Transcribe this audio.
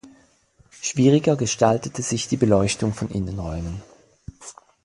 Schwieriger gestaltete sich die Beleuchtung von Innenräumen.